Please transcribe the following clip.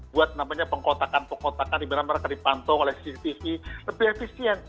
buat namanya pengkotakan pengkotakan di mana mereka dipantau oleh cctv lebih efisien